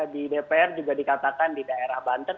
di dpr juga dikatakan di daerah banten